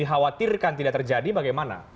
dikhawatirkan tidak terjadi bagaimana